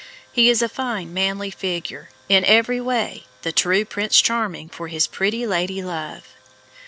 He is a fine, manly figure, in every way the true Prince Charming for his pretty lady love.